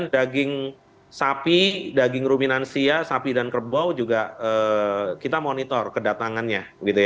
daging sapi daging ruminansia sapi dan kerbau juga kita monitor kedatangannya